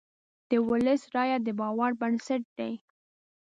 د ولس رایه د باور بنسټ دی.